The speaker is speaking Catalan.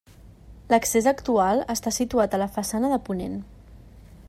L'accés actual està situat a la façana de ponent.